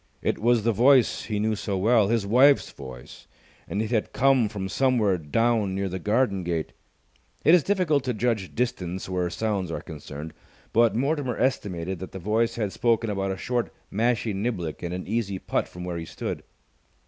It was the voice he knew so well, his wife's voice, and it had come from somewhere down near the garden gate. It is difficult to judge distance where sounds are concerned, but Mortimer estimated that the voice had spoken about a short mashie niblick and an easy putt from where he stood.